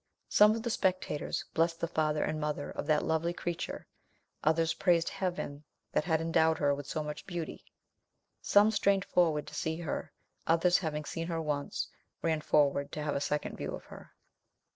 Some of the spectators blessed the father and mother of that lovely creature; others praised Heaven that had endowed her with so much beauty. Some strained forward to see her; others, having seen her once, ran forward to have a second view of her.